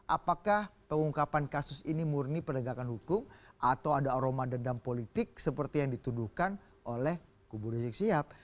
apakah pengungkapan kasus ini murni penegakan hukum atau ada aroma dendam politik seperti yang dituduhkan oleh kubu rizik sihab